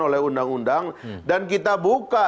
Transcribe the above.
oleh undang undang dan kita buka